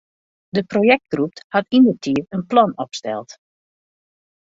De projektgroep hat yndertiid in plan opsteld.